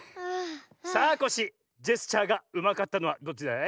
さあコッシージェスチャーがうまかったのはどっちだい？